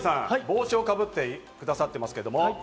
帽子をかぶってくださってます。